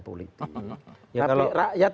politik tapi rakyat